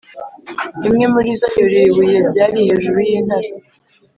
imwe muri zo yurira ibuye ryari hejuru y'intare